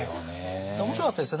面白かったですよ。